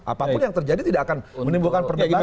apapun yang terjadi tidak akan menimbulkan perdebatan